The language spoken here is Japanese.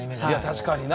確かにな。